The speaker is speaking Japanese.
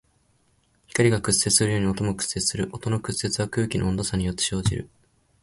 光が屈折するように音も屈折する。音の屈折は空気の温度差によって生じる。